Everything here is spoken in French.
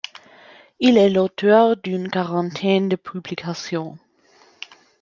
Il est l'auteur d'une quarantaine de publications.